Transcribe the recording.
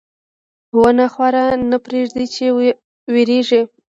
• ونه خاوره نه پرېږدي چې وریږي.